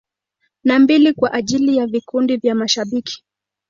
Na mbili kwa ajili ya vikundi vya mashabiki.